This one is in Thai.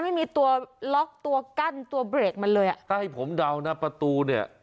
ไม่มีตัวล็อกตัวกั้นตัวเบรกมันเลยอ่ะถ้าให้ผมเดานะประตูเนี่ย